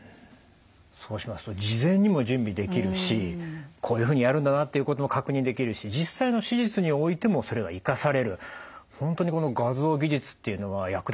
そうしますと事前にも準備できるしこういうふうにやるんだなっていうことも確認できるし実際の手術においてもそれは生かされる本当にこの画像技術っていうのは役立ってるんですね。